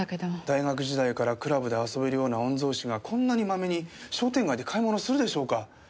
大学時代からクラブで遊べるような御曹司がこんなにマメに商店街で買い物するでしょうか？